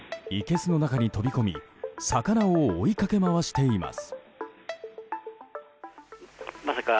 いけすの中に飛び込み魚を追いかけまわしています。